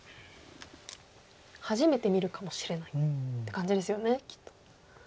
初めて見るかもしれないっていう感じですよね。